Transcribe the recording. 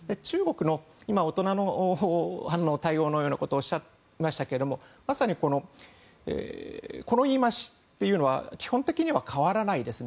大人の対応と今おっしゃいましたがまさに、この言い回しというのは基本的には変わらないですね。